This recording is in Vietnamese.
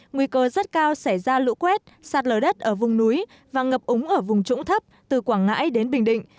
nguy cơ rất cao xảy ra lũ quét sạt lở đất ở vùng núi và ngập úng ở vùng trũng thấp từ quảng ngãi đến bình định